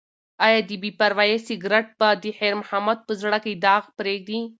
ایا د بې پروایۍ سګرټ به د خیر محمد په زړه کې داغ پریږدي؟